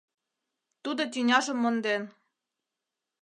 — Тудо тӱняжым монден!